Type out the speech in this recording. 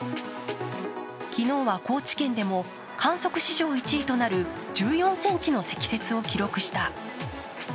昨日は高知県でも観測史上１位となる１４ｃｍの積雪を記録した。